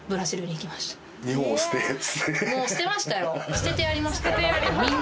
「捨ててやりました」。